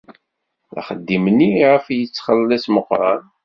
D axeddim-nni iɣef i ɣ-yettxelliṣ Meqqran.